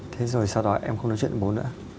thế rồi sau đó em không nói chuyện với bố nữa